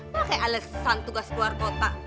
pakai alesan tugas keluar kota